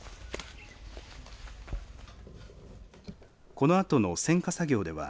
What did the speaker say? このあとの選果作業では